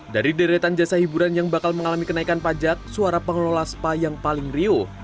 dari deretan jasa hiburan yang bakal mengalami kenaikan pajak suara pengelola spa yang paling riuh